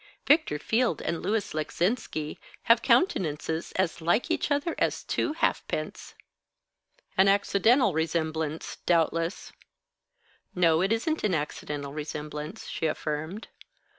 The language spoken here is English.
Victor Field and Louis Leczinski have countenances as like each other as two halfpence." "An accidental resemblance, doubtless." "No, it isn't an accidental resemblance," she affirmed.